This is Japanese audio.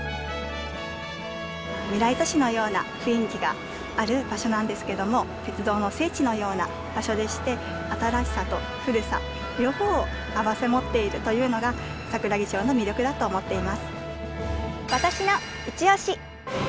未来都市のような雰囲気がある場所なんですけども鉄道の聖地のような場所でして新しさと古さ両方を併せ持っているというのが桜木町の魅力だと思っています。